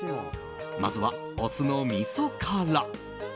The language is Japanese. まずは、オスのみそから。